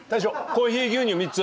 コーヒー牛乳３つ。